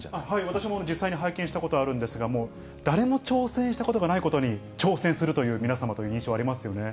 わたしも実際に拝見したことあるんですが、もう誰も挑戦したことがないことに挑戦するという皆様という印象ありますよね。